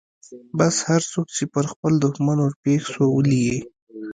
بس هرڅوک چې پر خپل دښمن ورپېښ سو ولي يې.